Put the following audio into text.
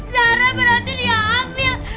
zara berarti dia ambil